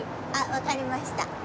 わかりました。